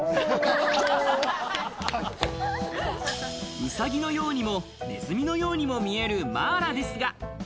ウサギのようにもネズミのようにも見えるマーラですが。